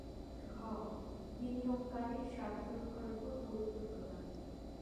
ঘ. বিনিয়োগকারীর স্বার্থ রক্ষার ওপর গুরুত্ব প্রদান